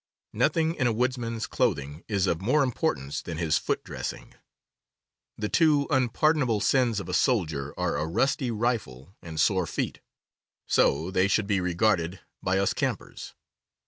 Nothing in a woodsman's clothing is of more impor tance than his foot dressing. The two unpardonable „, sins of a soldier are a rusty rifle and sore feet. So they should be regarded by us campers.